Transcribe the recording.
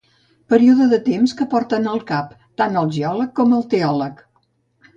Període de temps que porten al cap tant el geòleg com el teòleg.